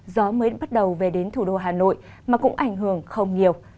gió mới bắt đầu về đến thủ đô hà nội mà cũng ảnh hưởng không nhiều